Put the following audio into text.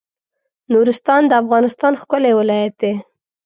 نورستان د افغانستان ښکلی ولایت دی